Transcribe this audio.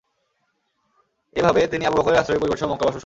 এভাবে তিনি আবু বকরের আশ্রয়ে পরিবারসহ মক্কায় বসবাস শুরু করেন।